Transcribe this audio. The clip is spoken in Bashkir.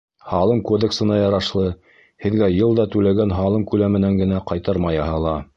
Һалым кодексына ярашлы, һеҙгә йыл да түләгән һалым күләменән генә ҡайтарма яһала.